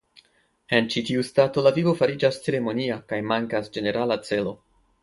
En ĉi tiu stato la vivo fariĝas ceremonia kaj mankas ĝenerala celo.